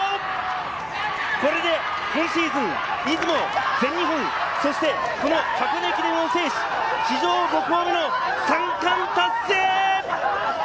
これで今シーズン、出雲、全日本、そしてこの箱根駅伝を制し、史上５校目の３冠達成！